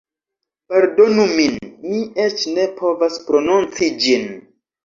Pardonu min, mi eĉ ne povas prononci ĝin